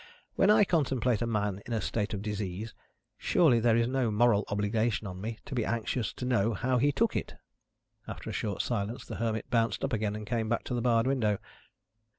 When I contemplate a man in a state of disease, surely there is no moral obligation on me to be anxious to know how he took it." After a short silence, the Hermit bounced up again, and came back to the barred window.